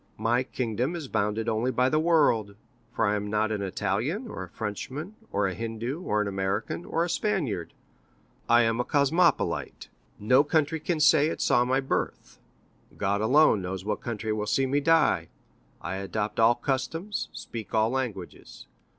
My kingdom is bounded only by the world, for I am not an Italian, or a Frenchman, or a Hindu, or an American, or a Spaniard—I am a cosmopolite. No country can say it saw my birth. God alone knows what country will see me die. I adopt all customs, speak all languages.